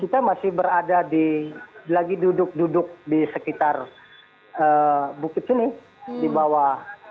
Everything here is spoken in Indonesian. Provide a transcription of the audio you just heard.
kita masih berada di lagi duduk duduk di sekitar bukit ini di bawah